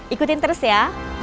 ikutin terus ya